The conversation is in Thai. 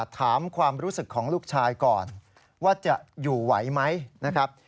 ถามความรู้สึกของลูกชายก่อนว่าจะอยู่ไหวไหมนะครับ